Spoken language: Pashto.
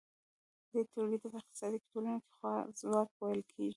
دې ټولګې ته په اقتصاد کې تولیدونکی ځواک ویل کیږي.